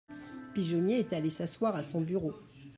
… pigeonnier est allé s'asseoir à son bureau.